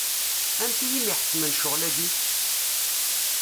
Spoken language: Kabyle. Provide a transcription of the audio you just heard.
Anti i m-iḥettmen ccɣel-agi?